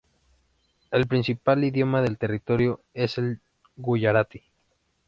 El principal idioma del territorio es el guyaratí.